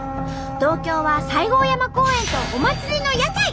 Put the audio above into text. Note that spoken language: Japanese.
東京は西郷山公園とお祭りの屋台。